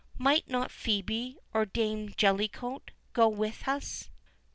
might not Phœbe, or dame Jellicot, go with us?"